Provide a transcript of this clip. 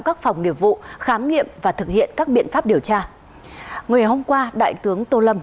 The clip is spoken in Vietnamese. các phòng nghiệp vụ khám nghiệm và thực hiện các biện pháp điều tra ngày hôm qua đại tướng tô lâm